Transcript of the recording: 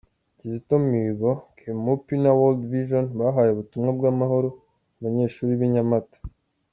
Kizito Mihigo, kemupi na World Vision bahaye ubutumwa bw’amahoro abanyeshuri b’i Nyamata